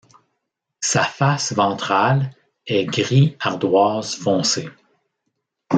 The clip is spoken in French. Sa face ventrale est gris ardoise foncé.